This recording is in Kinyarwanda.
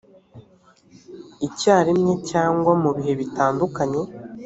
icyarimwe cyangwa mu bihe bitandukanye